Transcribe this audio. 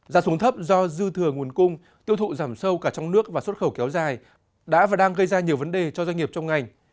giá xuống thấp do dư thừa nguồn cung tiêu thụ giảm sâu cả trong nước và xuất khẩu kéo dài đã và đang gây ra nhiều vấn đề cho doanh nghiệp trong ngành